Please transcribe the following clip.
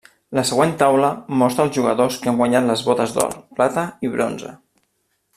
La següent taula mostra els jugadors que han guanyat les botes d'or, plata i bronze.